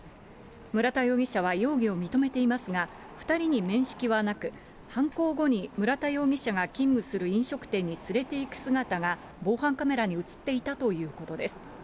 村田容疑者は容疑を認めていますが、２人に面識はなく、犯行後に村田容疑者が勤務する飲食店に連れていく姿が、防犯カメラに写っていたということです。